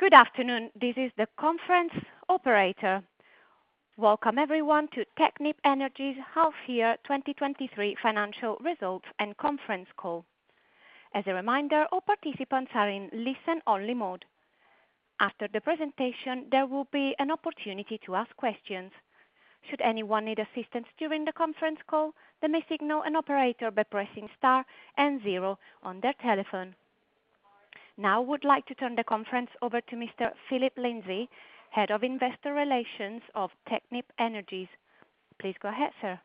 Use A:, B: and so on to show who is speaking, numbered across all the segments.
A: Good afternoon, this is the conference operator. Welcome everyone to Technip Energies' Half Year 2023 Financial Results and Conference Call. As a reminder, all participants are in listen-only mode. After the presentation, there will be an opportunity to ask questions. Should anyone need assistance during the conference call, they may signal an operator by pressing star 0 on their telephone. Now, I would like to turn the conference over to Mr. Phillip Lindsay, Head of Investor Relations of Technip Energies. Please go ahead, sir.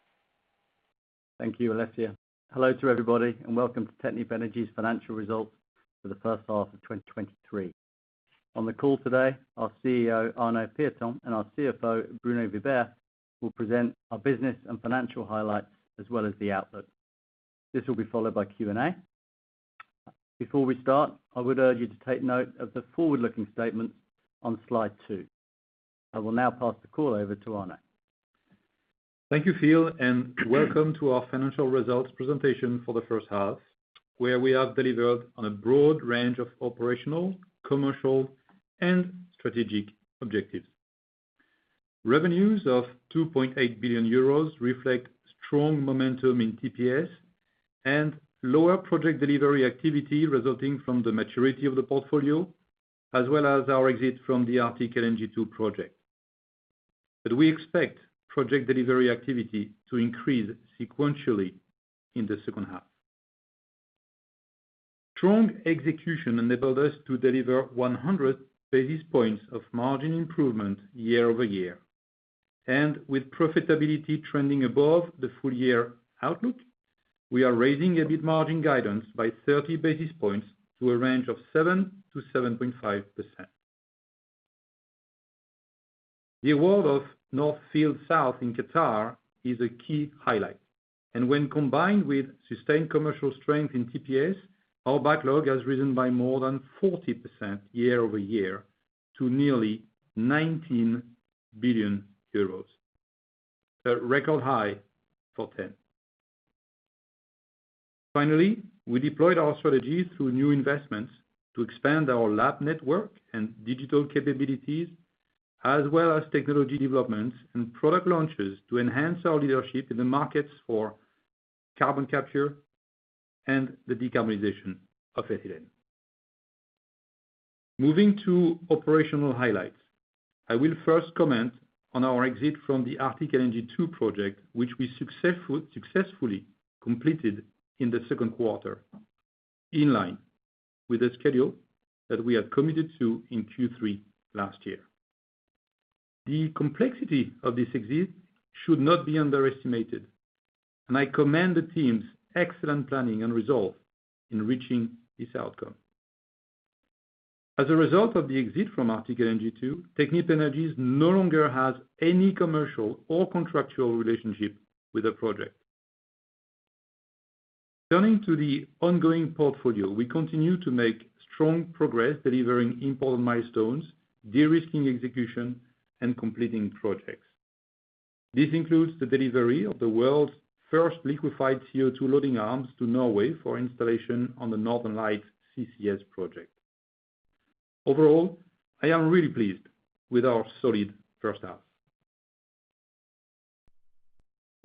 B: Thank you, Alessia. Hello to everybody, and welcome to Technip Energies financial results for the first half of 2023. On the call today, our CEO, Arnaud Pieton, and our CFO, Bruno Vibert, will present our business and financial highlights as well as the outlook. This will be followed by Q&A. Before we start, I would urge you to take note of the forward-looking statements on slide 2. I will now pass the call over to Arnaud.
C: Thank you, Phil, and welcome to our financial results presentation for the first half, where we have delivered on a broad range of operational, commercial, and strategic objectives. Revenues of 2.8 billion euros reflect strong momentum in TPS and lower project delivery activity, resulting from the maturity of the portfolio, as well as our exit from the Arctic LNG 2 project. We expect project delivery activity to increase sequentially in the second half. Strong execution enabled us to deliver 100 basis points of margin improvement year-over-year, and with profitability trending above the full year outlook, we are raising EBIT margin guidance by 30 basis points to a range of 7%-7.5%. The award of North Field South in Qatar is a key highlight. When combined with sustained commercial strength in TPS, our backlog has risen by more than 40% year-over-year to nearly 19 billion euros. A record high for Technip. Finally, we deployed our strategy through new investments to expand our lab network and digital capabilities, as well as technology developments and product launches to enhance our leadership in the markets for carbon capture and the decarbonization of ethylene. Moving to operational highlights, I will first comment on our exit from the Arctic LNG 2 project, which we successfully completed in the Q2, in line with the schedule that we had committed to in Q3 last year. The complexity of this exit should not be underestimated. I commend the team's excellent planning and resolve in reaching this outcome. As a result of the exit from Arctic LNG 2, Technip Energies no longer has any commercial or contractual relationship with the project. Turning to the ongoing portfolio, we continue to make strong progress delivering important milestones, de-risking execution, and completing projects. This includes the delivery of the world's first liquefied CO2 loading arms to Norway for installation on the Northern Lights CCS project. Overall, I am really pleased with our solid first half.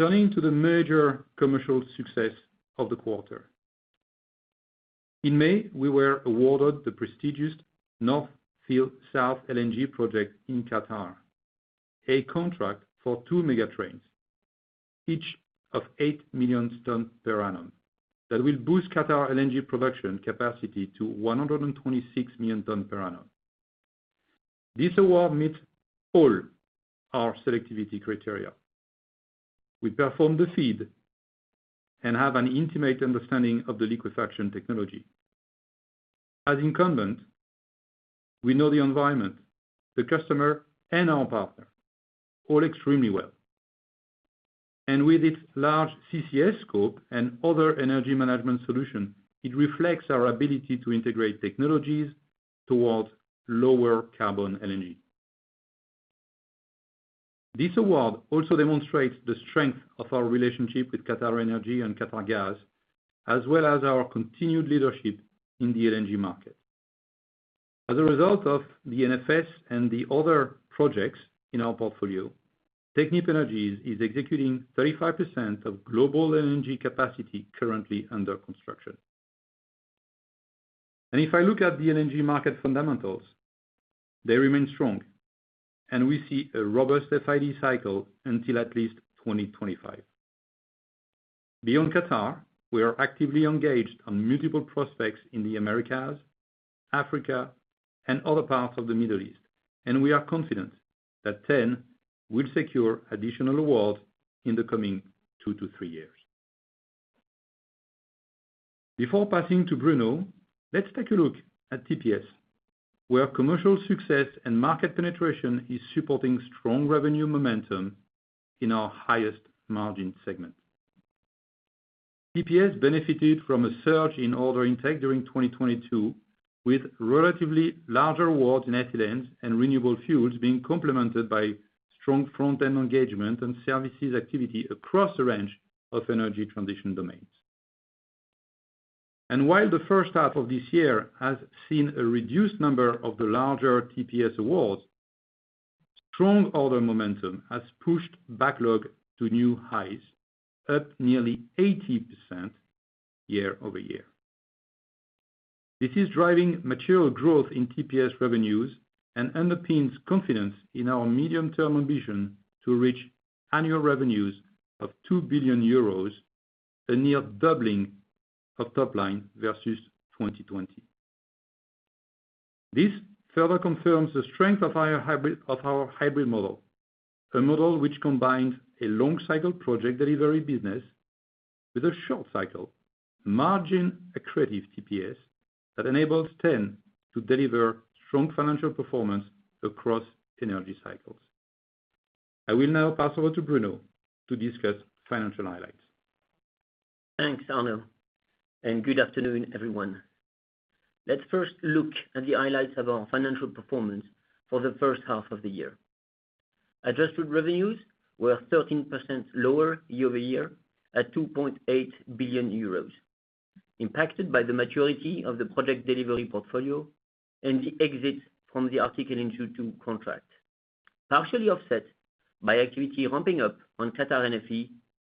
C: Turning to the major commercial success of the quarter. In May, we were awarded the prestigious North Field South LNG project in Qatar, a contract for two mega trains, each of 8 million tonnes per annum, that will boost Qatar LNG production capacity to 126 million tonnes per annum. This award meets all our selectivity criteria. We perform the FEED and have an intimate understanding of the liquefaction technology. With its large CCS scope and other energy management solution, it reflects our ability to integrate technologies towards lower carbon energy. This award also demonstrates the strength of our relationship with QatarEnergy and Qatargas, as well as our continued leadership in the LNG market. As a result of the NFS and the other projects in our portfolio, Technip Energies is executing 35% of global LNG capacity currently under construction. If I look at the LNG market fundamentals, they remain strong, and we see a robust FID cycle until at least 2025. Beyond Qatar, we are actively engaged on multiple prospects in the Americas, Africa, and other parts of the Middle East, and we are confident that Technip will secure additional awards in the coming two to three years. Before passing to Bruno, let's take a look at TPS, where commercial success and market penetration is supporting strong revenue momentum in our highest margin segment. TPS benefited from a surge in order intake during 2022, with relatively larger awards in ethylene and renewable fuels being complemented by strong front-end engagement and services activity across a range of energy transition domains. While the first half of this year has seen a reduced number of the larger TPS awards, strong order momentum has pushed backlog to new highs, up nearly 80% year-over-year. This is driving material growth in TPS revenues and underpins confidence in our medium-term ambition to reach annual revenues of 2 billion euros, a near doubling of top line versus 2020. This further confirms the strength of our hybrid model, a model which combines a long cycle project delivery business with a short cycle margin accretive TPS that enables T.EN to deliver strong financial performance across energy cycles. I will now pass over to Bruno to discuss financial highlights.
D: Thanks, Arnaud, and good afternoon, everyone. Let's first look at the highlights of our financial performance for the first half of the year. Adjusted revenues were 13% lower year-over-year, at 2.8 billion euros, impacted by the maturity of the project delivery portfolio and the exit from the Arctic LNG 2 contract. Partially offset by activity ramping up on Qatar NFE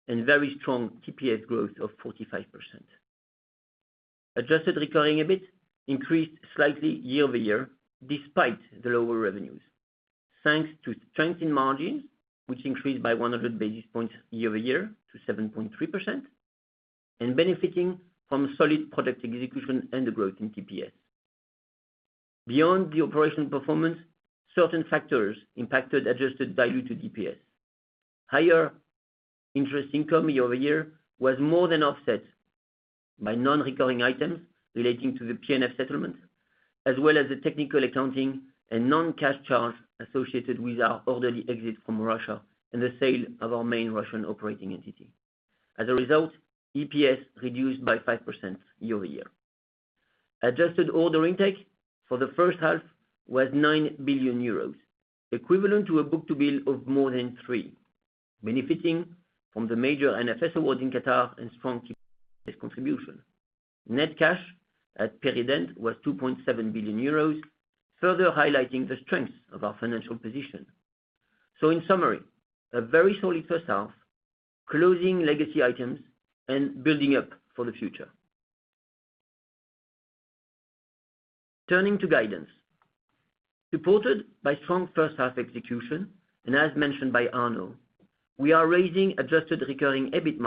D: and very strong TPS growth of 45%. adjusted recurring EBIT increased slightly year-over-year, despite the lower revenues, thanks to strength in margins, which increased by 100 basis points year-over-year to 7.3%, and benefiting from solid product execution and the growth in TPS. Beyond the operational performance, certain factors impacted Technology, Products & Services. Higher interest income year-over-year was more than offset by non-recurring items relating to the PNF settlement, as well as the technical accounting and non-cash charges associated with our orderly exit from Russia and the sale of our main Russian operating entity. As a result, EPS reduced by 5% year-over-year. Adjusted order intake for the first half was 9 billion euros, equivalent to a book-to-bill of more than 3, benefiting from the major NFE award in Qatar and strong TPS contribution. Net cash at period end was 2.7 billion euros, further highlighting the strengths of our financial position. In summary, a very solid first half, closing legacy items and building up for the future. Turning to guidance. Supported by strong first half execution, and as mentioned by Arnaud, we are raising adjusted recurring EBIT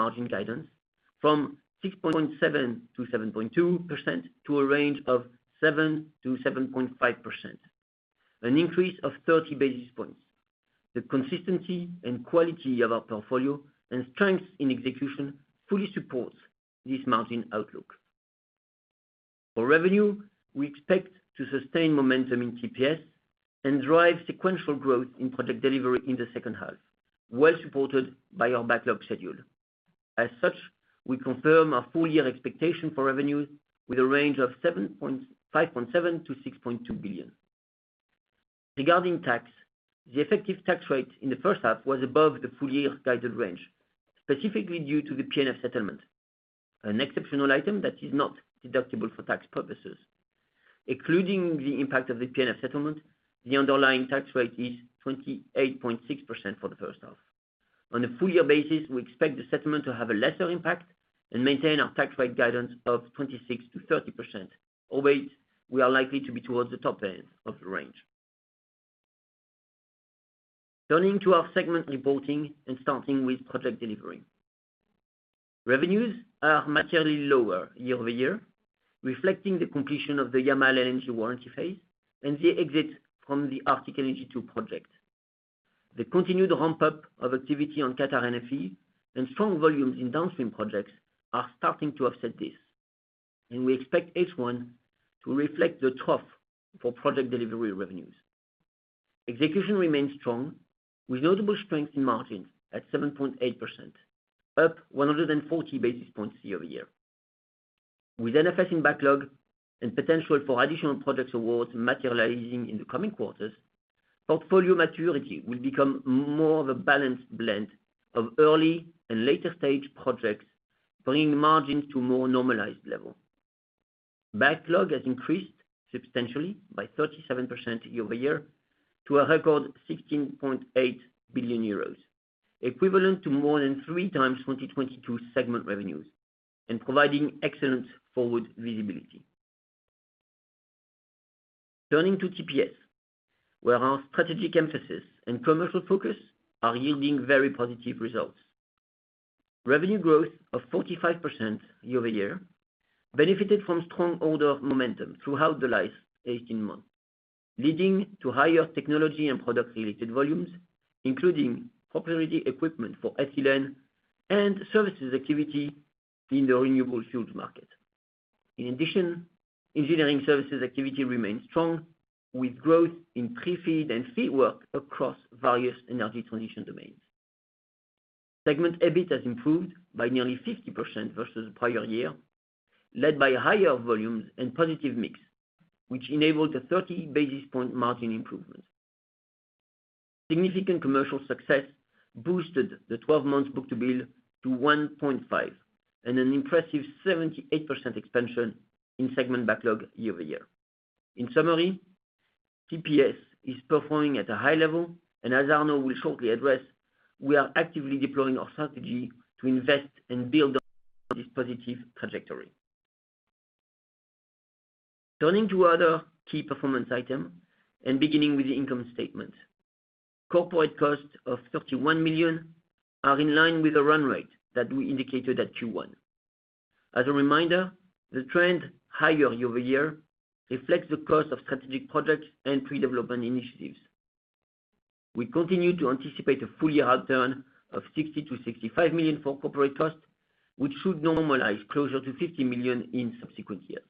D: margin guidance from 6.7%-7.2% to a range of 7%-7.5%, an increase of 30 basis points. The consistency and quality of our portfolio and strengths in execution fully supports this margin outlook. For revenue, we expect to sustain momentum in TPS and drive sequential growth in project delivery in the second half, well supported by our backlog schedule. As such, we confirm our full year expectation for revenues with a range of 5.7 billion-6.2 billion. Regarding tax, the effective tax rate in the first half was above the full year guided range, specifically due to the PNF settlement, an exceptional item that is not deductible for tax purposes. Excluding the impact of the PNF settlement, the underlying tax rate is 28.6% for the first half. On a full year basis, we expect the settlement to have a lesser impact and maintain our tax rate guidance of 26%-30%, albeit we are likely to be towards the top end of the range. Turning to our segment reporting and starting with project delivery. Revenues are materially lower year-over-year, reflecting the completion of the Yamal LNG warranty phase and the exit from the Arctic LNG 2 project. The continued ramp-up of activity on Qatar NFE and strong volumes in downstream projects are starting to offset this, and we expect H1 to reflect the trough for project delivery revenues. Execution remains strong, with notable strength in margins at 7.8%, up 140 basis points year-over-year. With NFE in backlog and potential for additional projects awards materializing in the coming quarters, portfolio maturity will become more of a balanced blend of early and later stage projects, bringing margins to a more normalized level. Backlog has increased substantially by 37% year-over-year to a record 16.8 billion euros, equivalent to more than three times 2022 segment revenues and providing excellent forward visibility. Turning to TPS, where our strategic emphasis and commercial focus are yielding very positive results. Revenue growth of 45% year-over-year benefited from strong order momentum throughout the last 18 months, leading to higher technology and product-related volumes, including proprietary equipment for FLNG and services activity in the renewable fuels market. In addition, engineering services activity remains strong, with growth in Pre-FEED and FEED work across various energy transition domains. Segment EBIT has improved by nearly 50% versus the prior year, led by higher volumes and positive mix, which enabled a 30 basis point margin improvement. Significant commercial success boosted the 12 months book-to-bill to 1.5, and an impressive 78% expansion in segment backlog year-over-year. In summary, TPS is performing at a high level, and as Arnaud will shortly address, we are actively deploying our strategy to invest and build on this positive trajectory. Turning to other key performance item, and beginning with the income statement. Corporate costs of 31 million are in line with the run rate that we indicated at Q1. As a reminder, the trend higher year-over-year reflects the cost of strategic projects and pre-development initiatives. We continue to anticipate a full year outturn of 60 million-65 million for corporate costs, which should normalize closer to 50 million in subsequent years.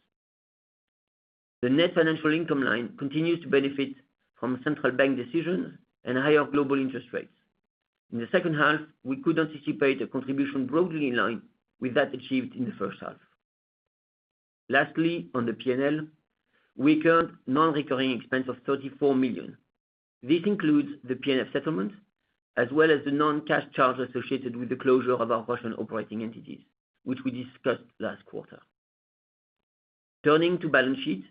D: The net financial income line continues to benefit from central bank decisions and higher global interest rates. In the second half, we could anticipate a contribution broadly in line with that achieved in the first half. Lastly, on the P&L, we occurred non-recurring expense of 34 million. This includes the PNF settlement, as well as the non-cash charges associated with the closure of our Russian operating entities, which we discussed last quarter. Turning to balance sheet,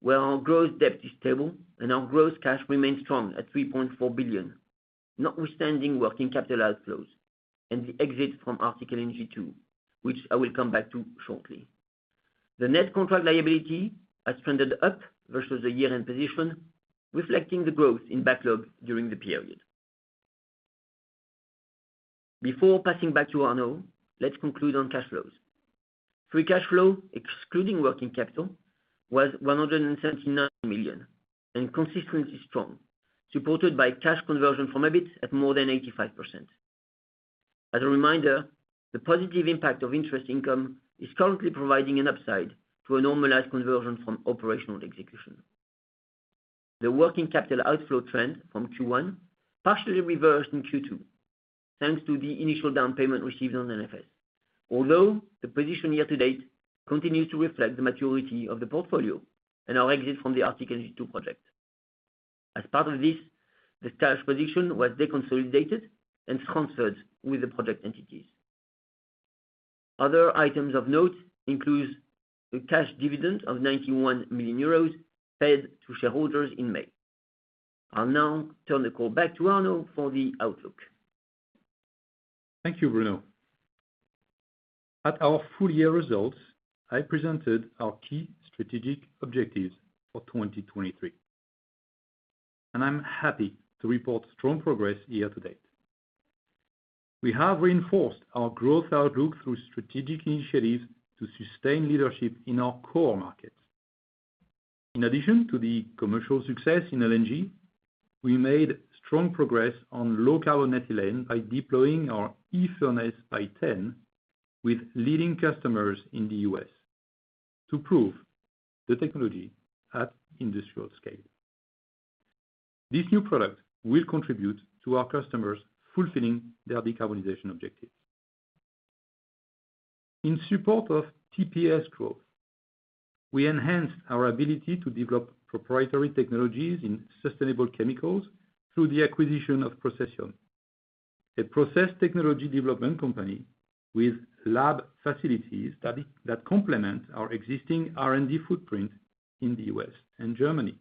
D: where our gross debt is stable and our gross cash remains strong at 3.4 billion, notwithstanding working capital outflows and the exit from Arctic LNG 2, which I will come back to shortly. The net contract liability has trended up versus the year-end position, reflecting the growth in backlog during the period. Before passing back to Arnaud, let's conclude on cash flows. Free cash flow, excluding working capital, was 179 million and consistently strong, supported by cash conversion from EBIT at more than 85%. As a reminder, the positive impact of interest income is currently providing an upside to a normalized conversion from operational execution. The working capital outflow trend from Q1 partially reversed in Q2, thanks to the initial down payment received on NFS. Although, the position year-to-date continues to reflect the maturity of the portfolio and our exit from the Arctic LNG 2 project. As part of this, the cash position was deconsolidated and transferred with the project entities. Other items of note includes the cash dividend of 91 million euros paid to shareholders in May. I'll now turn the call back to Arnaud for the outlook.
C: Thank you, Bruno. At our full year results, I presented our key strategic objectives for 2023. I'm happy to report strong progress year-to-date. We have reinforced our growth outlook through strategic initiatives to sustain leadership in our core markets. In addition to the commercial success in LNG, we made strong progress on low carbon ethylene by deploying our eFurnace by T.EN, with leading customers in the U.S. to prove the technology at industrial scale. This new product will contribute to our customers fulfilling their decarbonization objectives. In support of TPS growth, we enhanced our ability to develop proprietary technologies in sustainable chemicals through the acquisition of Processi, a process technology development company with lab facilities that complement our existing R&D footprint in the U.S. and Germany.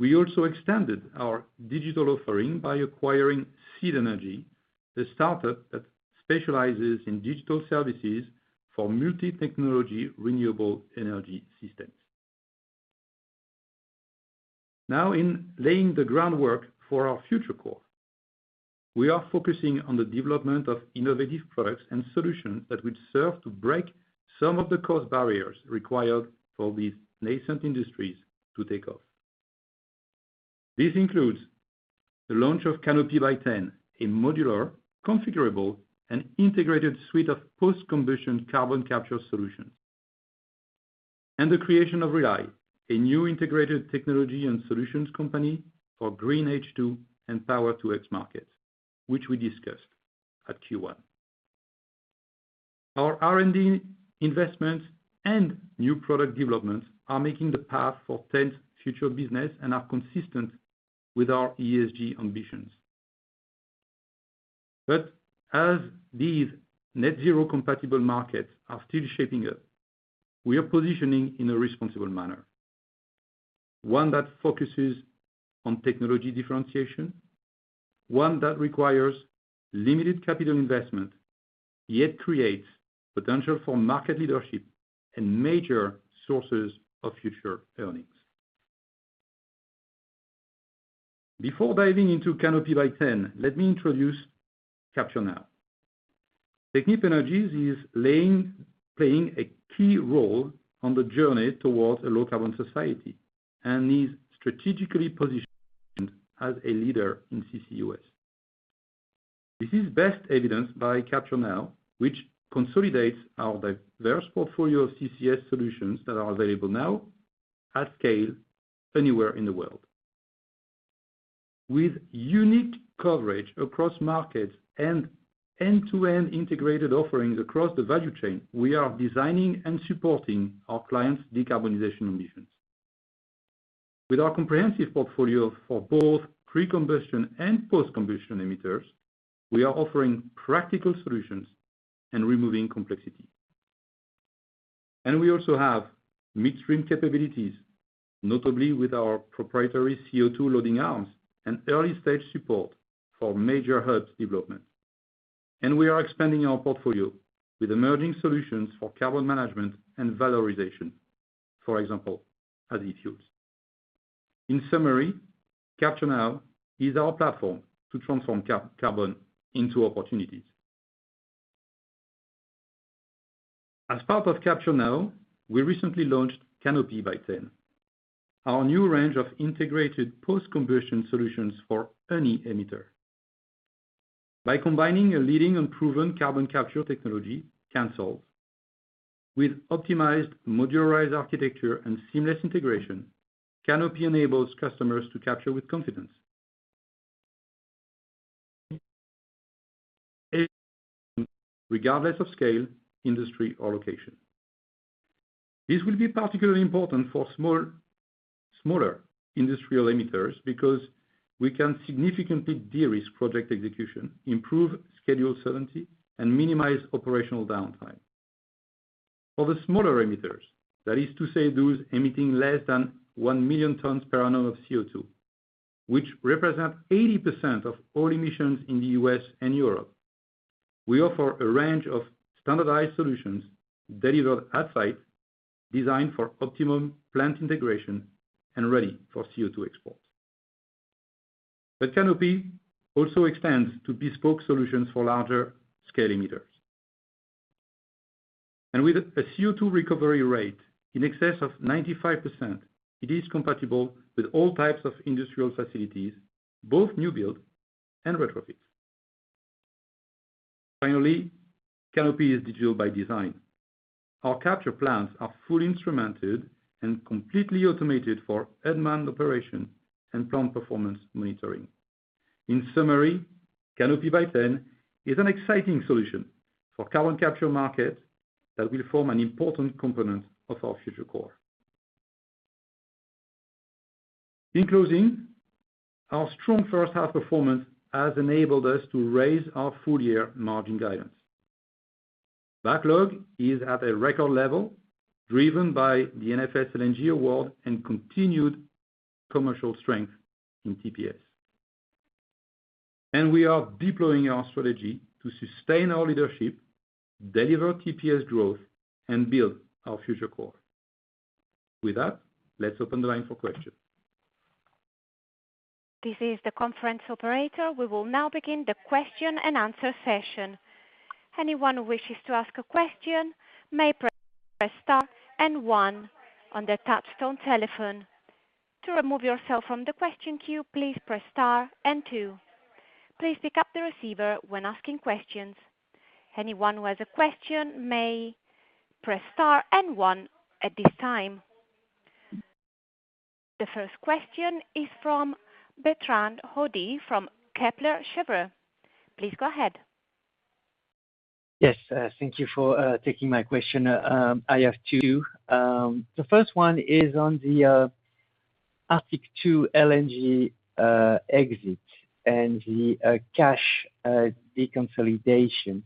C: We also extended our digital offering by acquiring SEED Energy, a startup that specializes in digital services for multi-technology, renewable energy systems. Now, in laying the groundwork for our future core, we are focusing on the development of innovative products and solutions that will serve to break some of the cost barriers required for these nascent industries to take off. This includes the launch of Canopy by T.EN, a modular, configurable, and integrated suite of post-combustion carbon capture solutions, and the creation of Rely, a new integrated technology and solutions company for green H2 and Power-to-X markets, which we discussed at Q1. Our R&D investments and new product developments are making the path for T.EN's future business and are consistent with our ESG ambitions. As these net zero compatible markets are still shaping up, we are positioning in a responsible manner, one that focuses on technology differentiation, one that requires limited capital investment, yet creates potential for market leadership and major sources of future earnings. Before diving into Canopy by T.EN, let me introduce Capture.Now. Technip Energies is playing a key role on the journey towards a low-carbon society and is strategically positioned as a leader in CCUS. This is best evidenced by Capture.Now, which consolidates our diverse portfolio of CCS solutions that are available now at scale anywhere in the world. With unique coverage across markets end-to-end integrated offerings across the value chain, we are designing and supporting our clients' decarbonization ambitions. With our comprehensive portfolio for both pre-combustion and post-combustion emitters, we are offering practical solutions and removing complexity. We also have midstream capabilities, notably with our proprietary CO2 loading arms and early-stage support for major hubs development. We are expanding our portfolio with emerging solutions for carbon management and valorization, for example, as e-fuels. In summary, Capture.Now is our platform to transform carbon into opportunities. As part of Capture.Now, we recently launched Canopy by T.EN, our new range of integrated post-combustion solutions for any emitter. By combining a leading and proven carbon capture technology, CANSOLV, with optimized modularized architecture and seamless integration, Canopy enables customers to capture with confidence. Regardless of scale, industry, or location. This will be particularly important for smaller industrial emitters because we can significantly de-risk project execution, improve schedule certainty, and minimize operational downtime. For the smaller emitters, that is to say, those emitting less than 1 million tons per annum of CO2, which represent 80% of all emissions in the U.S. and Europe, we offer a range of standardized solutions delivered at site, designed for optimum plant integration and ready for CO2 export. Canopy also extends to bespoke solutions for larger scale emitters. With a CO2 recovery rate in excess of 95%, it is compatible with all types of industrial facilities, both new build and retrofits. Finally, Canopy is digital by design. Our capture plants are fully instrumented and completely automated for unmanned operation and plant performance monitoring. In summary, Canopy by T.EN is an exciting solution for carbon capture markets that will form an important component of our future core. In closing, our strong first half performance has enabled us to raise our full year margin guidance. Backlog is at a record level, driven by the NFS LNG award and continued commercial strength in TPS. We are deploying our strategy to sustain our leadership, deliver TPS growth, and build our future core. With that, let's open the line for questions.
A: This is the conference operator. We will now begin the question and answer session. Anyone who wishes to ask a question may press star and one on their touchtone telephone. To remove yourself from the question queue, please press star and two. Please pick up the receiver when asking questions. Anyone who has a question may press star and one at this time. The first question is from Bertrand Hodee, from Kepler Cheuvreux. Please go ahead.
E: Yes, thank you for taking my question. I have two. The first one is on the Arctic LNG 2 exit and the cash deconsolidation.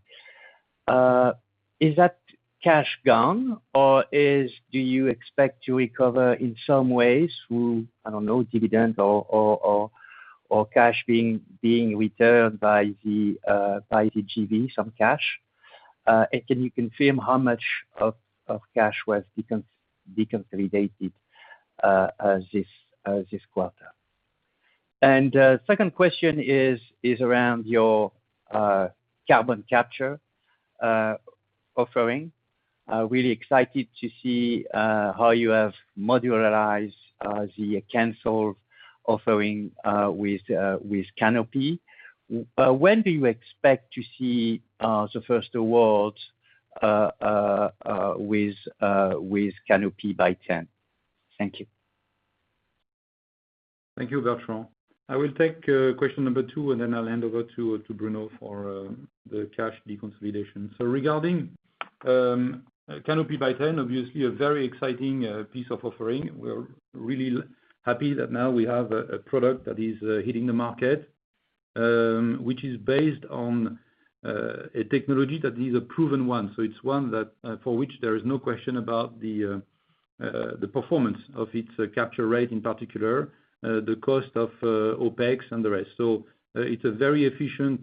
E: Is that cash gone, or do you expect to recover in some ways through, I don't know, dividends or cash being returned by the GB, some cash? Can you confirm how much of cash was deconsolidated this quarter? Second question is around your carbon capture offering. Really excited to see how you have modularized the CANSOLV offering with Canopy. When do you expect to see the first awards with Canopy by T.EN? Thank you.
C: Thank you, Bertrand. I will take question number 2, and then I'll hand over to Bruno for the cash deconsolidation. Regarding Canopy by T.EN, obviously a very exciting piece of offering. We're really happy that now we have a product that is hitting the market, which is based on a technology that is a proven one. It's one that for which there is no question about the performance of its capture rate, in particular, the cost of OpEx and the rest. It's a very efficient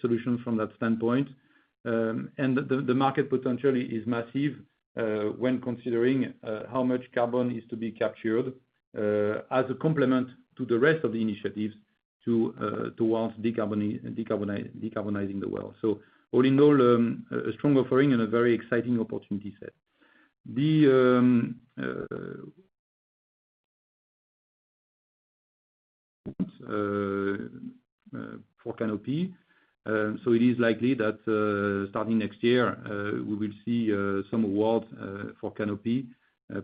C: solution from that standpoint. The market potentially is massive when considering how much carbon is to be captured as a complement to the rest of the initiatives towards decarbonizing the world. All in all, a strong offering and a very exciting opportunity set. The for Canopy. It is likely that starting next year, we will see some awards for Canopy,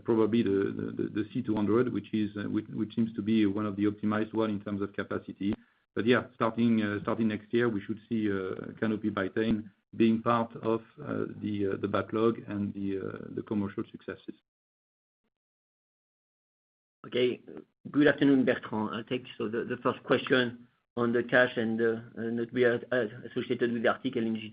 C: probably the C200, which is which seems to be one of the optimized one in terms of capacity. Yeah, starting starting next year, we should see Canopy by then, being part of the backlog and the commercial successes.
D: Okay. Good afternoon, Bertrand. I'll take the first question on the cash and that we are associated with Arctic LNG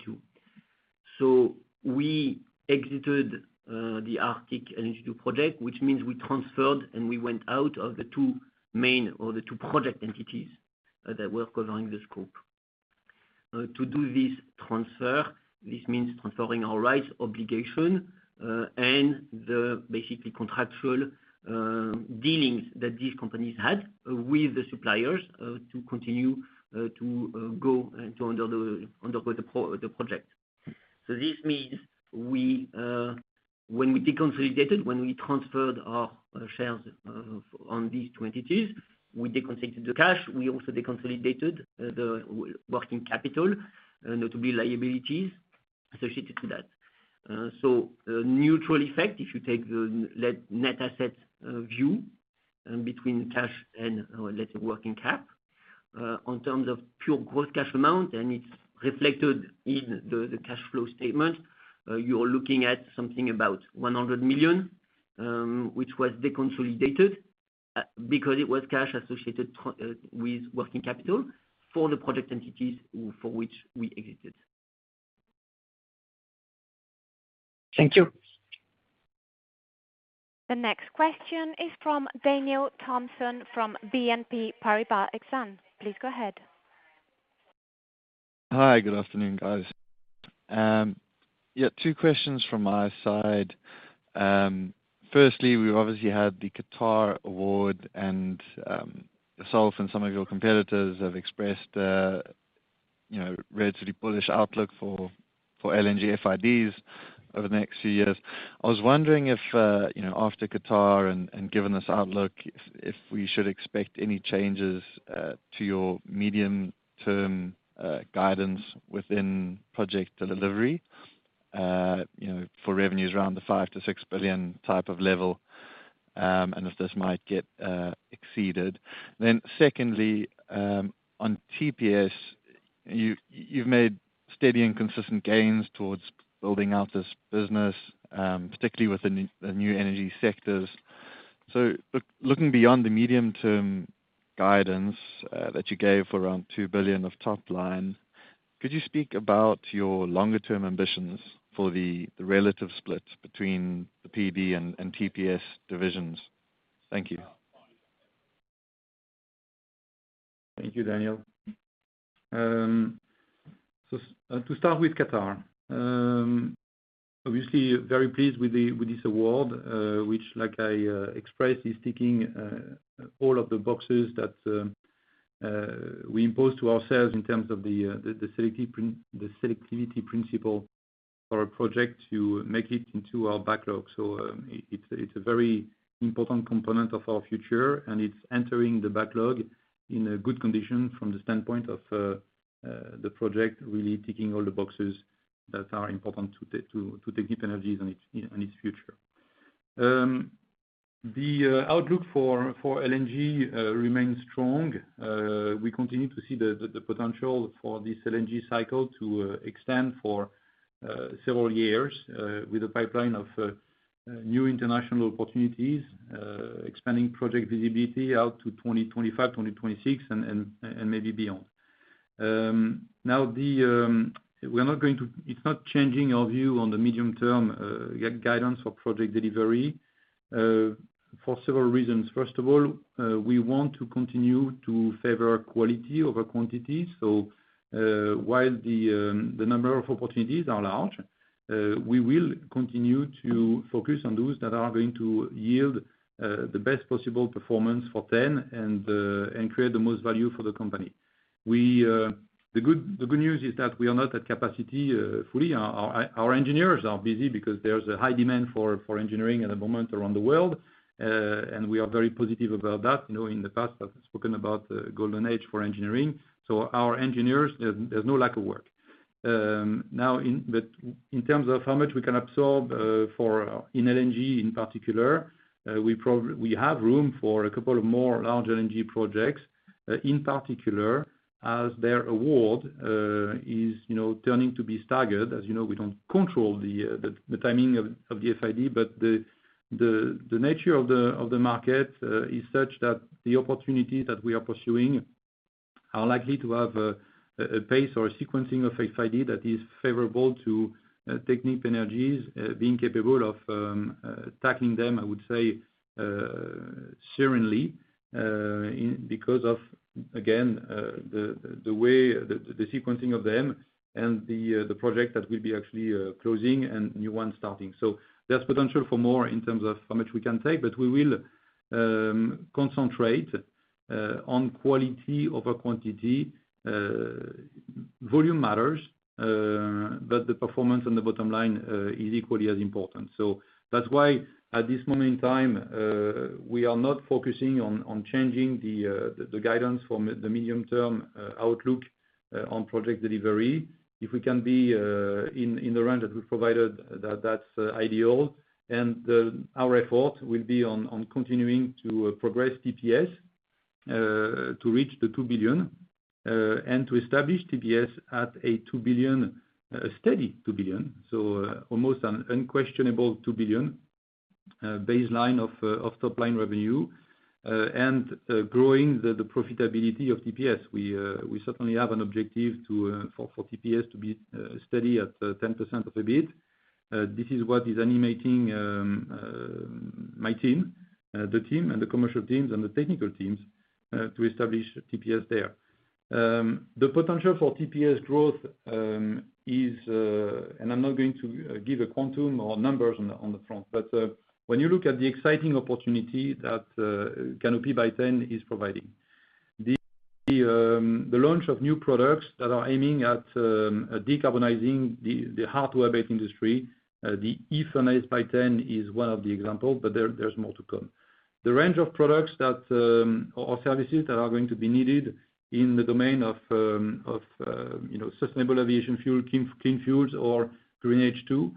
D: 2. We exited the Arctic LNG 2 project, which means we transferred, and we went out of the 2 main or the 2 project entities that were covering the scope. To do this transfer, this means transferring our rights, obligation, and the basically contractual dealings that these companies had with the suppliers to continue to go and to undergo the project. This means we, when we deconsolidated, when we transferred our shares on these 2 entities, we deconsolidated the cash, we also deconsolidated the working capital to be liabilities associated to that. Neutral effect, if you take the net asset view, between cash and, let's say, working cap. On terms of pure gross cash amount, and it's reflected in the cash flow statement, you're looking at something about 100 million, which was deconsolidated, because it was cash associated with working capital for the project entities for which we exited.
E: Thank you.
A: The next question is from Daniel Thompson from BNP Paribas Exane. Please go ahead.
F: Hi, good afternoon, guys. Yeah, two questions from my side. Firstly, we've obviously had the Qatar award and yourself and some of your competitors have expressed, relatively bullish outlook for LNG FIDs over the next few years. I was wondering if, after Qatar and given this outlook, if we should expect any changes to your medium-term guidance within project delivery? You know, for revenues around the 5 billion-6 billion type of level, and if this might get exceeded. Secondly, on TPS, you've made steady and consistent gains towards building out this business, particularly with the new energy sectors. Looking beyond the medium-term guidance that you gave around 2 billion of top line, could you speak about your longer-term ambitions for the relative split between the PB and TPS divisions? Thank you.
C: Thank you, Daniel. To start with Qatar. Obviously, very pleased with this award, which, like I expressed, is ticking all of the boxes that we impose to ourselves in terms of the selectivity principle for a project to make it into our backlog. It's a very important component of our future, and it's entering the backlog in a good condition from the standpoint of the project, really ticking all the boxes that are important to Technip Energies and its future. The outlook for LNG remains strong. We continue to see the potential for this LNG cycle to extend for several years, with a pipeline of new international opportunities, expanding project visibility out to 2025, 2026, and maybe beyond. It's not changing our view on the medium term guidance for project delivery, for several reasons. First of all, we want to continue to favor quality over quantity. While the number of opportunities are large, we will continue to focus on those that are going to yield the best possible performance for T.EN, and create the most value for the company. We... The good news is that we are not at capacity fully. Our engineers are busy because there's a high demand for engineering at the moment around the world. We are very positive about that. You know, in the past, I've spoken about the golden age for engineering, our engineers, there's no lack of work. Now, but in terms of how much we can absorb for LNG in particular, we have room for a couple of more large LNG projects. In particular, as their award is, turning to be staggered. As you know, we don't control the timing of FID, but the nature of the market is such that the opportunities that we are pursuing are likely to have a pace or a sequencing of FID that is favorable to Technip Energies being capable of tackling them, I would say, serenely. Because of, again, the way, the sequencing of them and the project that will be actually closing and new one starting. There's potential for more in terms of how much we can take, but we will concentrate on quality over quantity. Volume matters, but the performance on the bottom line is equally as important. That's why, at this moment in time, we are not focusing on changing the guidance for the medium-term outlook on project delivery. If we can be in the range that we provided, that's ideal, and our effort will be on continuing to progress TPS to reach 2 billion and to establish TPS at a 2 billion steady 2 billion, so almost an unquestionable 2 billion baseline of top-line revenue, and growing the profitability of TPS. We certainly have an objective to for TPS to be steady at 10% of EBIT. This is what is animating my team, the team and the commercial teams and the technical teams, to establish TPS there. The potential for TPS growth is and I'm not going to give a quantum or numbers on the front. When you look at the exciting opportunity that Canopy by T.EN is providing, the launch of new products that are aiming at decarbonizing the hardware-based industry, the Ethylene by T.EN is one of the examples, but there's more to come. The range of products that or services that are going to be needed in the domain of you know, sustainable aviation fuel, clean fuels, or green H2.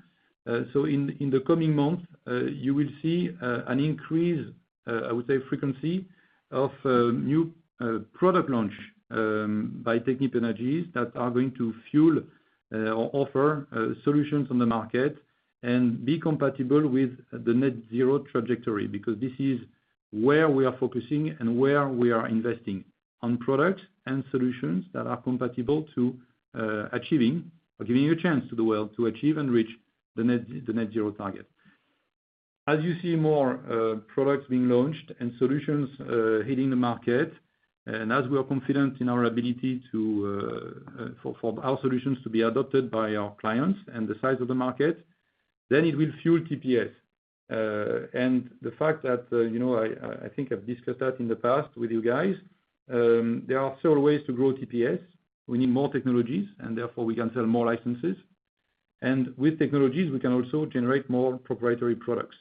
C: In the coming months, you will see an increase, I would say, frequency of new product launch by Technip Energies that are going to fuel or offer solutions on the market and be compatible with the net zero trajectory, because this is where we are focusing and where we are investing, on products and solutions that are compatible to achieving or giving a chance to the world to achieve and reach the net zero target. You see more products being launched and solutions hitting the market, and as we are confident in our ability to, for our solutions to be adopted by our clients and the size of the market, then it will fuel TPS. The fact that, you know, I think I've discussed that in the past with you guys, there are several ways to grow TPS. We need more technologies, therefore we can sell more licenses. With technologies, we can also generate more proprietary products.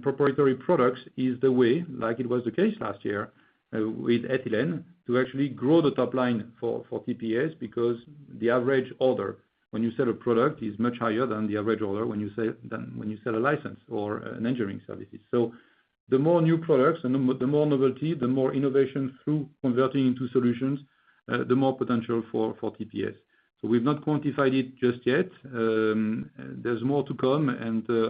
C: Proprietary products is the way, like it was the case last year, with ethylene, to actually grow the top line for TPS, because the average order when you sell a product is much higher than the average order when you sell a license or an engineering services. The more new products and the more novelty, the more innovation through converting into solutions, the more potential for TPS. We've not quantified it just yet. There's more to come.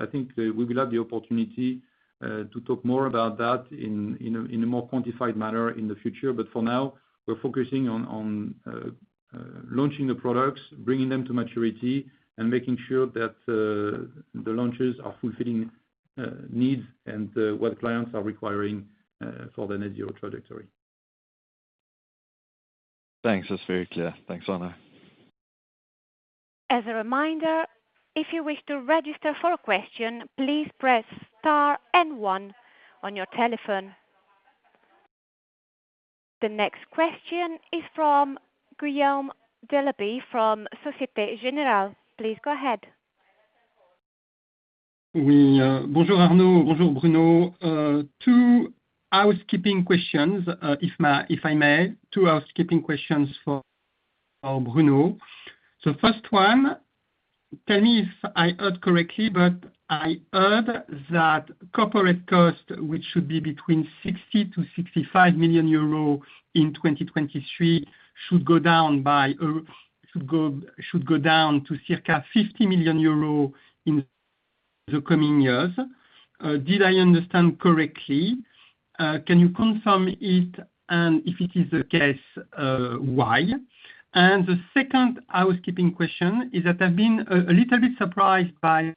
C: I think we will have the opportunity to talk more about that in a, in a more quantified manner in the future. For now, we're focusing on launching the products, bringing them to maturity, and making sure that the launches are fulfilling needs and what clients are requiring for the net zero trajectory.
F: Thanks. That's very clear. Thanks, Arnaud.
A: As a reminder, if you wish to register for a question, please press star and one on your telephone. The next question is from Guillaume Delaby from Société Générale. Please go ahead.
G: We, bonjour, Arnaud. Bonjour, Bruno. Two housekeeping questions, if I may. Two housekeeping questions for Bruno. First one, tell me if I heard correctly, but I heard that corporate cost, which should be between 60 million-65 million euros in 2023, should go down by, should go down to circa 50 million euro in the coming years. Did I understand correctly? Can you confirm it, and if it is the case, why? The second housekeeping question is that I've been a little bit surprised by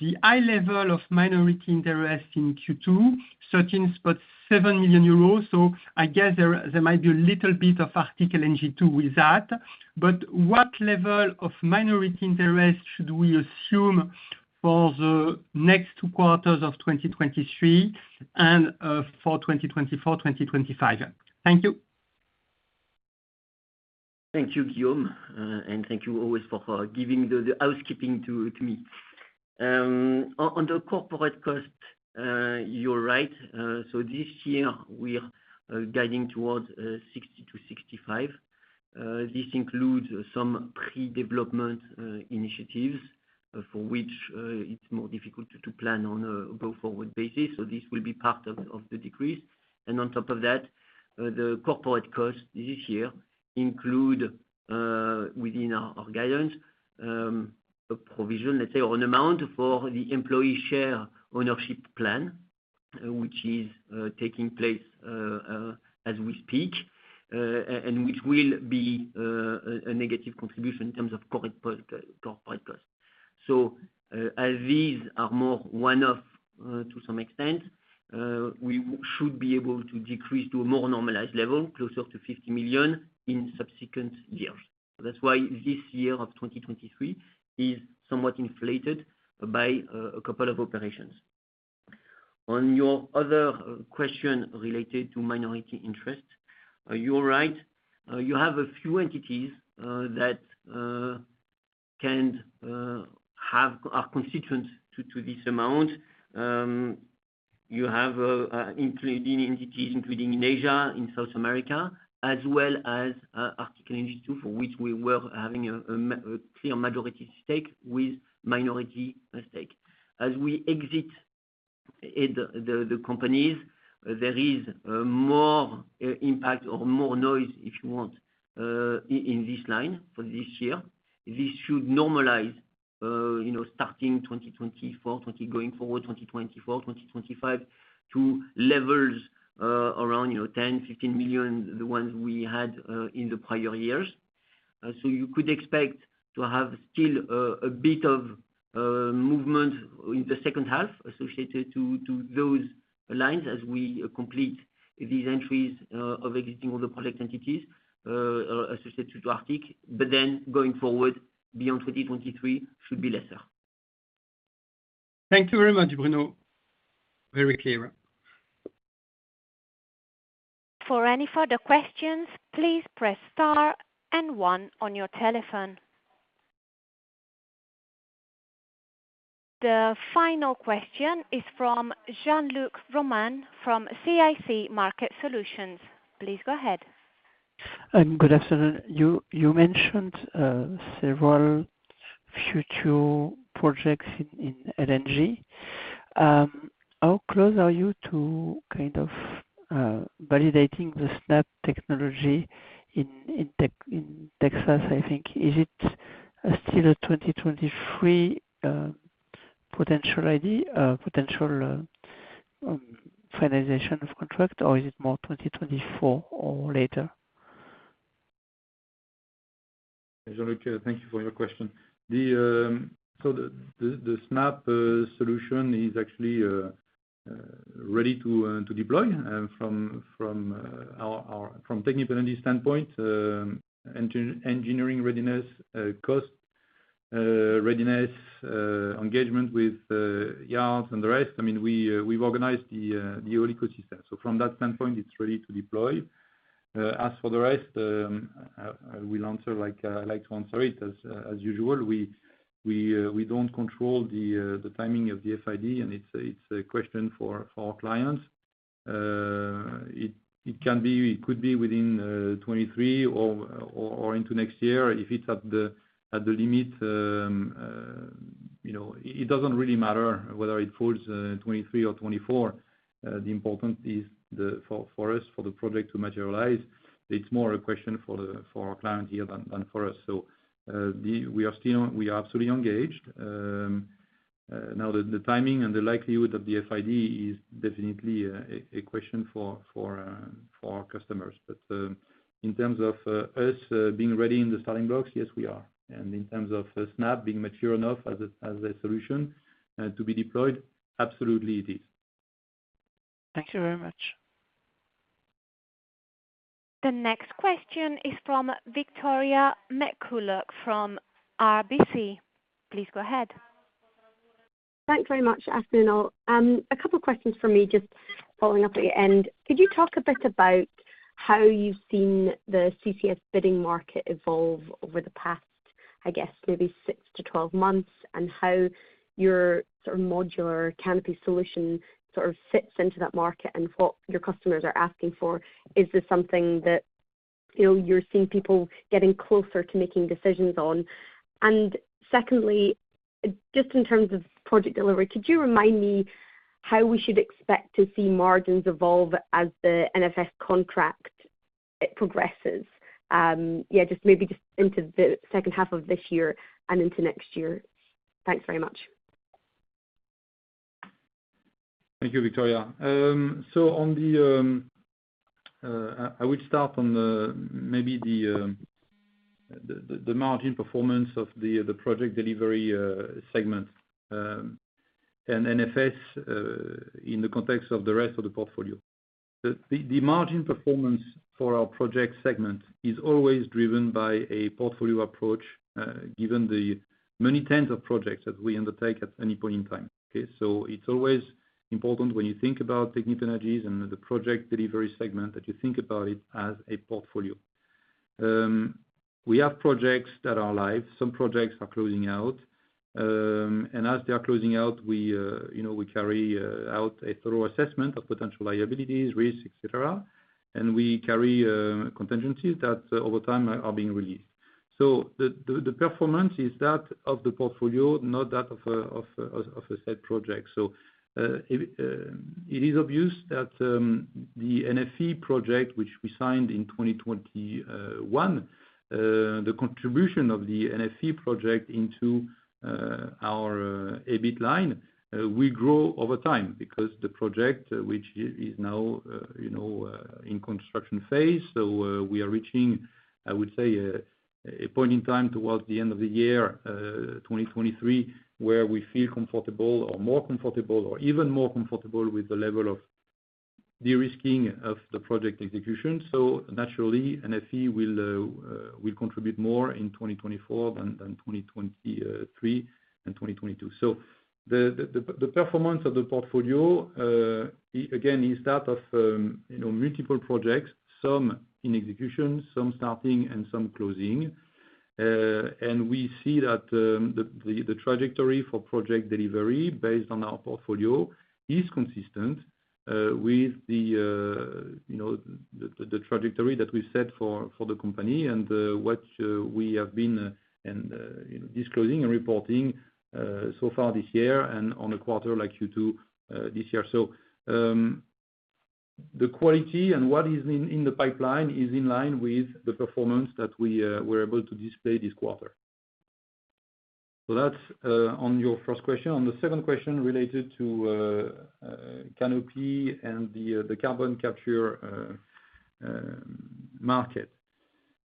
G: the high level of minority interest in Q2, 13.7 million euros. I guess there might be a little bit of Arctic LNG 2 with that. What level of minority interest should we assume for the next Q2 of 2023 and for 2024, 2025? Thank you.
D: Thank you, Guillaume, and thank you always for giving the housekeeping to me. On the corporate cost, you're right. This year, we are guiding towards 60 million to 65 million. This includes some pre-development initiatives for which it's more difficult to plan on a go-forward basis. This will be part of the decrease. On top of that, the corporate costs this year include within our guidance a provision, let's say, on amount for the employee share ownership plan, which is taking place as we speak, and which will be a negative contribution in terms of corporate cost. As these are more one-off, to some extent, we should be able to decrease to a more normalized level, closer to 50 million in subsequent years. That's why this year of 2023 is somewhat inflated by a couple of operations. On your other question related to minority interest, you're right. You have a few entities that are constituent to this amount. You have including entities, including in Asia, in South America, as well as Arctic LNG 2, for which we were having a clear majority stake with minority at stake. As we exit the companies, there is more impact or more noise, if you want, in this line for this year. This should normalize, you know, starting 2024, going forward, 2024, 2025, to levels around, you know, 10 million-15 million, the ones we had in the prior years. You could expect to have still a bit of movement in the second half associated to those lines as we complete these entries of exiting all the project entities associated to Arctic. Going forward, beyond 2023 should be lesser.
G: Thank you very much, Bruno. Very clear.
A: For any further questions, please press star and one on your telephone. The final question is from Jean-Luc Romain from CIC Market Solutions. Please go ahead.
H: Good afternoon. You mentioned several future projects in LNG. How close are you to, kind of, validating the SNAP technology in Texas, I think? Is it still a 2023 potential FID, potential finalization of contract, or is it more 2024 or later?
C: Jean-Luc, thank you for your question. The SNAP solution is actually ready to deploy from Technip Energies standpoint, engineering readiness, cost readiness, engagement with yards and the rest. I mean, we've organized the whole ecosystem. From that standpoint, it's ready to deploy. As for the rest, I will answer like I like to answer it, as usual. We don't control the timing of the FID, it's a question for our clients. It can be, it could be within 23 or into next year. If it's at the limit, you know, it doesn't really matter whether it falls in 23 or 24. The important is for us for the project to materialize, it's more a question for our client here than for us. We are still absolutely engaged. Now, the timing and the likelihood of the FID is definitely a question for our customers. In terms of us being ready in the starting blocks, yes, we are. In terms of SNAP being mature enough as a solution to be deployed, absolutely it is.
H: Thank you very much.
A: The next question is from Victoria McCulloch from RBC. Please go ahead.
I: Thanks very much. Afternoon all. A couple of questions for me, just following up at your end. Could you talk a bit about how you've seen the CCS bidding market evolve over the past, I guess, maybe 6 to 12 months, and how your sort of modular Canopy solution sort of fits into that market and what your customers are asking for? Is this something that, you know, you're seeing people getting closer to making decisions on? Secondly, just in terms of project delivery, could you remind me how we should expect to see margins evolve as the NFS contract progresses? Yeah, just maybe just into the second half of this year and into next year. Thanks very much.
C: Thank you, Victoria. On the, I would start on the, maybe the margin performance of the project delivery segment and NFS in the context of the rest of the portfolio. The margin performance for our project segment is always driven by a portfolio approach, given the many tens of projects that we undertake at any point in time, okay? It's always important when you think about Technip Energies and the project delivery segment, that you think about it as a portfolio. We have projects that are live, some projects are closing out, and as they are closing out, we, you know, we carry out a thorough assessment of potential liabilities, risks, et cetera, and we carry contingencies that over time are being released. The performance is that of the portfolio, not that of a set project. It is obvious that the NFE project, which we signed in 2021, the contribution of the NFE project into our EBIT line will grow over time because the project, which is now, you know, in construction phase. We are reaching, I would say, a point in time towards the end of the year 2023, where we feel comfortable or more comfortable or even more comfortable with the level of de-risking of the project execution. Naturally, NFE will contribute more in 2024 than 2023 and 2022. The performance of the portfolio, again, is that of, you know, multiple projects, some in execution, some starting and some closing. We see that the trajectory for project delivery based on our portfolio is consistent with, you know, the trajectory that we set for the company and what we have been disclosing and reporting so far this year and on a quarter like Q2 this year. The quality and what is in the pipeline is in line with the performance that we're able to display this quarter. That's on your first question. On the second question, related to Canopy and the carbon capture market.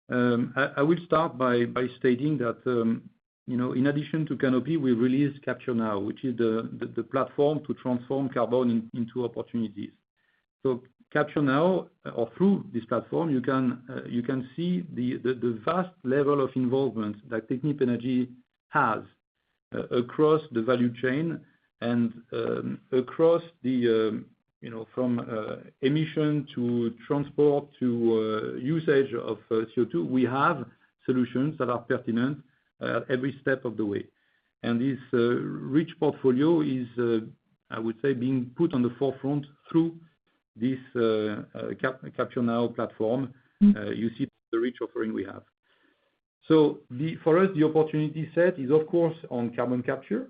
C: I will start by stating that, you know, in addition to Canopy, we released Capture.Now, which is the platform to transform carbon into opportunities. Capture.Now, or through this platform, you can see the vast level of involvement that Technip Energies has across the value chain and, across the, you know, from emission to transport, to usage of CO2, we have solutions that are pertinent every step of the way. This rich portfolio is, I would say, being put on the forefront through this Capture.Now platform. You see the rich offering we have. For us, the opportunity set is, of course, on carbon capture,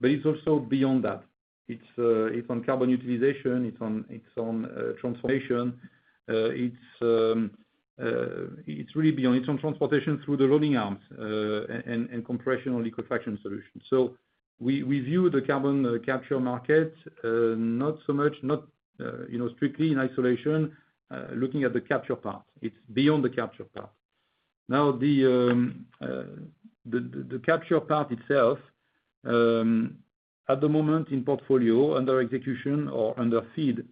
C: but it's also beyond that. It's on carbon utilization, it's on, it's on transformation. It's really beyond. It's on transportation through the loading arms, and compression or liquefaction solutions. We view the carbon capture market, not so much, not, you know, strictly in isolation, looking at the capture part, it's beyond the capture part. Now, the capture part itself, at the moment in portfolio, under execution or under FEED,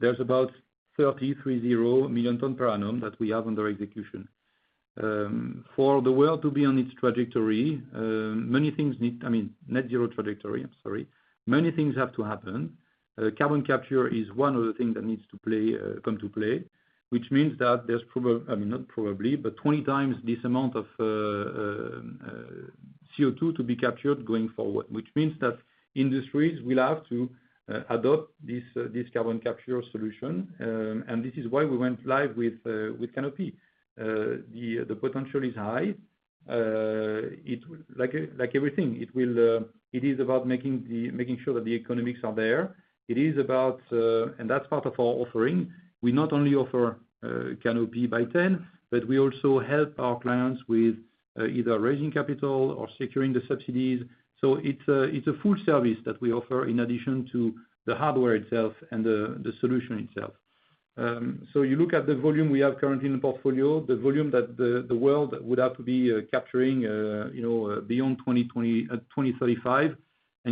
C: there's about 330 million ton per annum that we have under execution. For the world to be on its trajectory, many things need... I mean, net zero trajectory, I'm sorry, many things have to happen. Carbon capture is one of the things that needs to play, come to play, which means that there's I mean, not probably, but 20 times this amount of CO2 to be captured going forward. Industries will have to adopt this carbon capture solution, and this is why we went live with Canopy. The potential is high. Like everything, it will, it is about making sure that the economics are there. It is about, and that's part of our offering. We not only offer Canopy by T.EN, but we also help our clients with either raising capital or securing the subsidies. It's a full service that we offer in addition to the hardware itself and the solution itself. You look at the volume we have currently in the portfolio, the volume that the world would have to be capturing, you know, beyond 2020, 2035.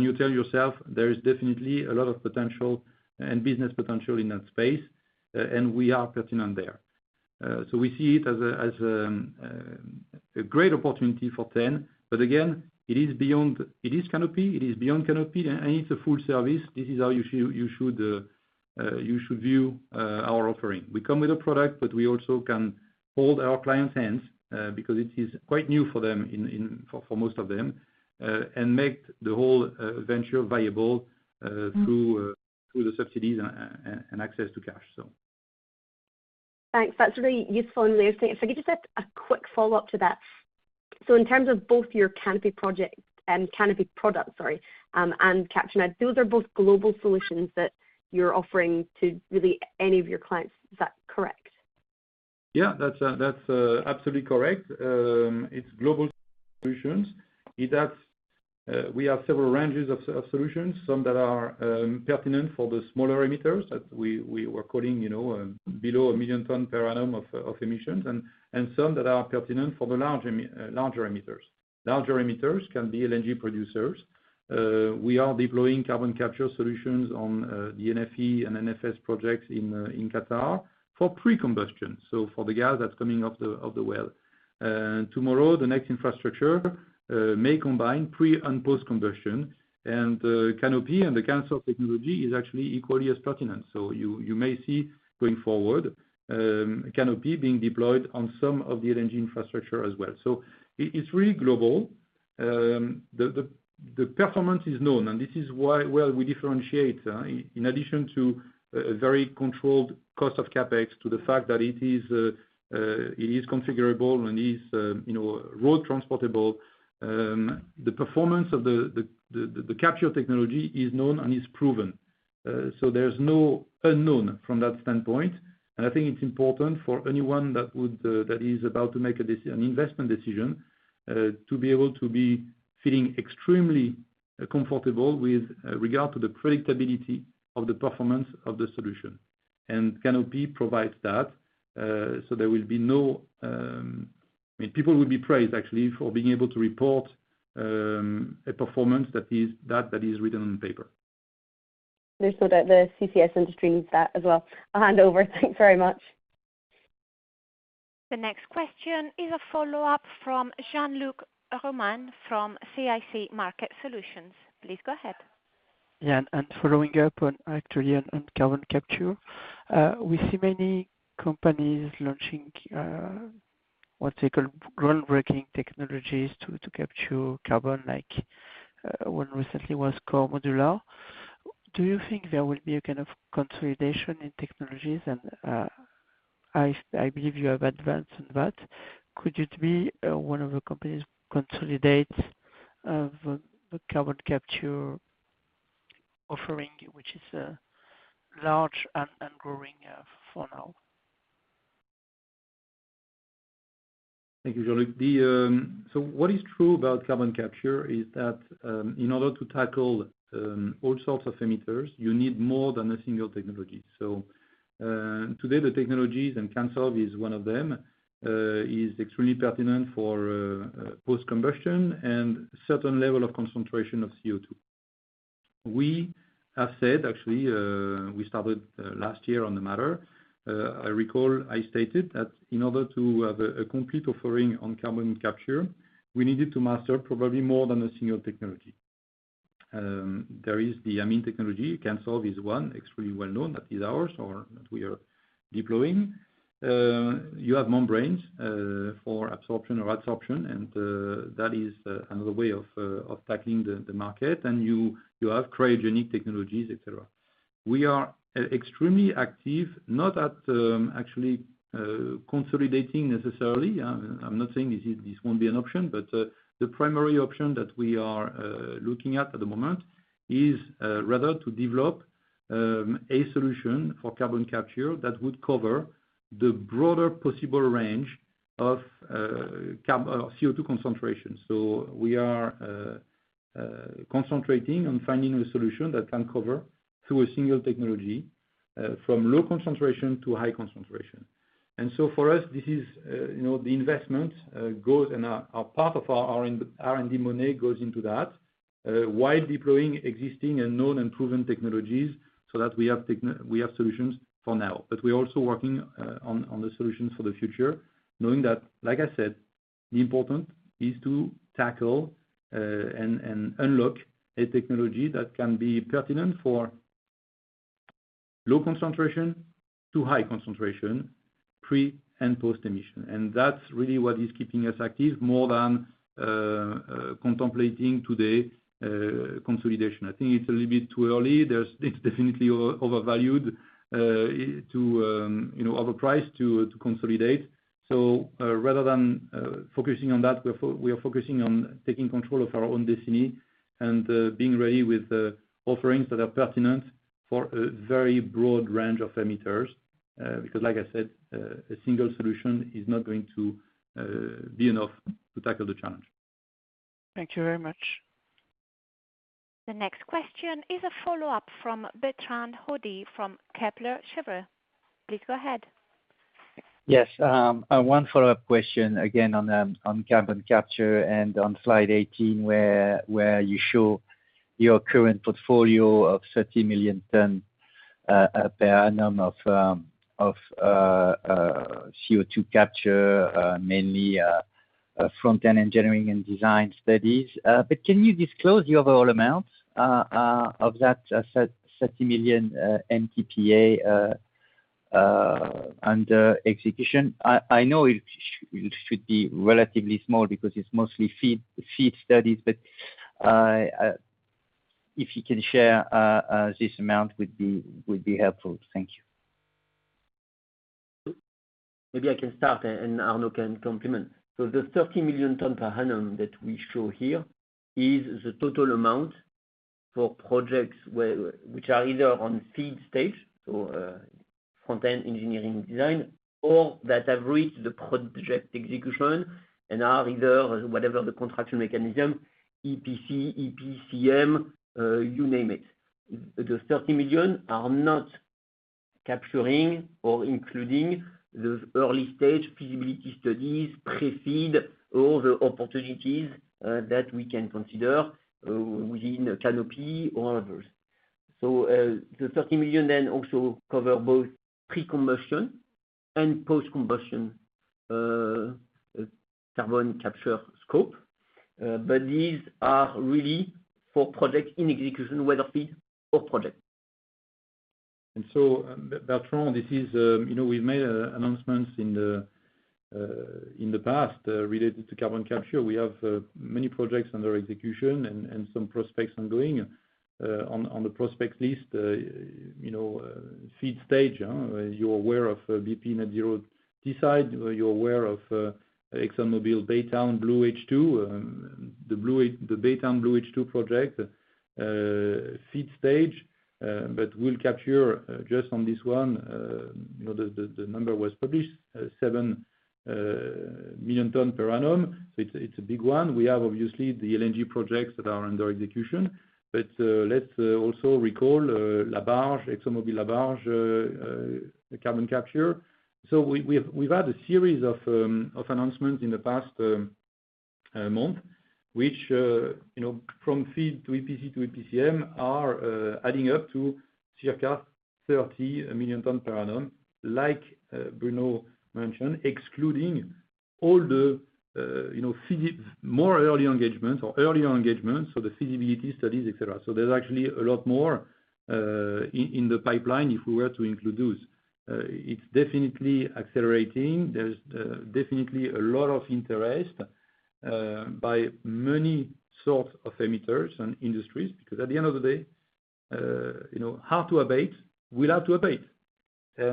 C: You tell yourself there is definitely a lot of potential and business potential in that space, and we are pertinent there. We see it as a great opportunity for T.EN. Again, it is beyond. It is Canopy, it is beyond Canopy, and it's a full service. This is how you should, you should, you should view our offering. We come with a product, but we also can hold our clients' hands, because it is quite new for them in for most of them, and make the whole venture viable through through the subsidies and access to cash.
I: Thanks. That's really useful and interesting. Could you just add a quick follow-up to that? In terms of both your Canopy product, sorry, and Capture.Now, those are both global solutions that you're offering to really any of your clients. Is that correct?
C: That's, that's absolutely correct. It's global solutions. It has, we have several ranges of solutions, some that are pertinent for the smaller emitters that we were calling, you know, below 1 million ton per annum of emissions, and some that are pertinent for the larger emitters. Larger emitters can be LNG producers. We are deploying carbon capture solutions on the NFE and NFS projects in Qatar for pre-combustion, so for the gas that's coming off the well. Tomorrow, the next infrastructure may combine pre- and post-combustion, and Canopy and the kinds of technology is actually equally as pertinent. You may see going forward, Canopy being deployed on some of the LNG infrastructure as well. It's really global. The performance is known. This is why, well, we differentiate, in addition to a very controlled cost of CapEx, to the fact that it is configurable and is, road transportable. The performance of the capture technology is known and is proven, so there's no unknown from that standpoint. I think it's important for anyone that would that is about to make an investment decision, to be able to be feeling extremely comfortable with regard to the predictability of the performance of the solution. Canopy provides that, so there will be no, I mean, people will be praised, actually, for being able to report a performance that is written on paper.
I: There's no doubt the CCS industry needs that as well. I'll hand over. Thanks very much.
A: The next question is a follow-up from Jean-Luc Romain from CIC Market Solutions. Please go ahead.
H: Yeah, following up on, actually, on carbon capture. We see many companies launching what they call groundbreaking technologies to capture carbon, like one recently was Cool Planet. Do you think there will be a kind of consolidation in technologies? And, I believe you have advanced on that. Could it be one of the companies consolidate the carbon capture offering, which is large and growing for now?
C: Thank you, Jean-Luc. The what is true about carbon capture is that in order to tackle all sorts of emitters, you need more than a single technology. Today, the technologies, and CANSOLV is one of them, is extremely pertinent for post-combustion and certain level of concentration of CO2. We have said, actually, we started last year on the matter. I recall I stated that in order to have a complete offering on carbon capture, we needed to master probably more than a single technology. There is the amine technology, CANSOLV is one, it's really well-known, that is ours or that we are deploying. You have membranes for absorption or adsorption, and that is another way of tackling the market, and you have cryogenic technologies, et cetera. We are extremely active, not at, actually, consolidating necessarily. I'm not saying this is, this won't be an option, but the primary option that we are looking at for the moment, is rather to develop a solution for carbon capture that would cover the broader possible range of CO2 concentration. We are concentrating on finding a solution that can cover, through a single technology, from low concentration to high concentration. For us, this is, the investment goes and a part of our R&D money goes into that, while deploying existing and known and proven technologies, so that we have solutions for now. We're also working on the solutions for the future, knowing that, like I said, the important is to tackle and unlock a technology that can be pertinent for low concentration to high concentration, pre- and post-emission. That's really what is keeping us active, more than contemplating today, consolidation. I think it's a little bit too early. It's definitely overvalued, to, overpriced to consolidate. Rather than focusing on that, we are focusing on taking control of our own destiny and being ready with the offerings that are pertinent for a very broad range of emitters. Because like I said, a single solution is not going to be enough to tackle the challenge.
H: Thank you very much.
A: The next question is a follow-up from Bertrand Hodee from Kepler Cheuvreux. Please go ahead.
E: Yes, one follow-up question, again, on carbon capture and on slide eighteen, where you show your current portfolio of 30 million tons per annum of CO2 capture, mainly Front-End Engineering Design studies. But can you disclose the overall amount of that 30 million MTPA under execution? I know it should be relatively small because it's mostly FEED studies, but if you can share this amount would be helpful. Thank you.
D: Maybe I can start, and Arnaud can complement. The 30 million ton per annum that we show here is the total amount for projects which are either on FEED stage, so, Front-End Engineering Design, or that have reached the project execution and are either, whatever the contractual mechanism, EPC, EPCM, you name it. The 30 million are not capturing or including the early-stage feasibility studies, Pre-FEED, all the opportunities that we can consider within Canopy or others. The 30 million then also cover both pre-combustion and post-combustion carbon capture scope. These are really for projects in execution, whether FEED or project.
C: Bertrand, this is, we've made announcements in the past related to carbon capture. We have many projects under execution and some prospects ongoing. On the prospect list, FEED stage, you're aware of bp Net Zero Teesside. You're aware of ExxonMobil Baytown Blue H2, the Baytown Blue H2 project, FEED stage. But we'll capture just on this one, the number was published, 7 million ton per annum. It's a big one. We have obviously the LNG projects that are under execution, let's also recall LaBarge, ExxonMobil La Barge, the carbon capture. We've had a series of announcements in the past month, which, from FEED to EPC to EPCm are adding up to circa 30 million ton per annum. Like Bruno mentioned, excluding all the, more early engagements or earlier engagements, so the feasibility studies, et cetera. There's actually a lot more in the pipeline if we were to include those. It's definitely accelerating. There's definitely a lot of interest by many sorts of emitters and industries, because at the end of the day, how to abate? We'll have to abate. We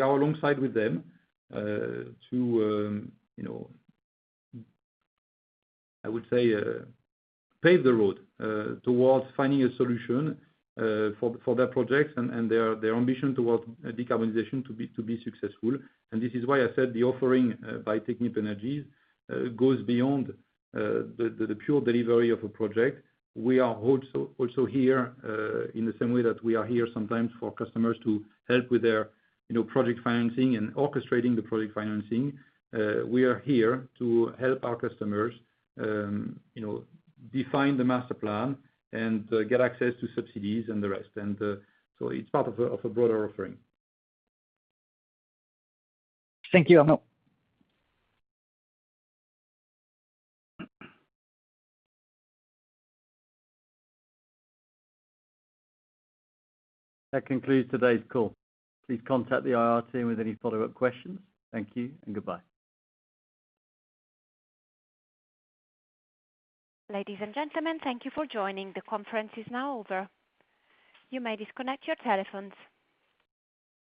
C: are alongside with them to, I would say, pave the road towards finding a solution for their projects and their ambition towards decarbonization to be successful. This is why I said the offering by Technip Energies goes beyond the pure delivery of a project. We are also here in the same way that we are here sometimes for customers to help with their, project financing and orchestrating the project financing. We are here to help our customers, define the master plan and get access to subsidies and the rest. It's part of a broader offering.
E: Thank you, Arnaud.
B: That concludes today's call. Please contact the IR team with any follow-up questions. Thank you, and goodbye.
A: Ladies and gentlemen, thank you for joining. The conference is now over. You may disconnect your telephones.